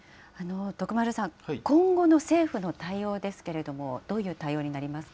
徳丸さん、今後の政府の対応ですけれども、どういう対応にな